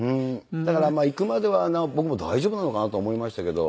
だから行くまでは僕も大丈夫なのかなと思いましたけど。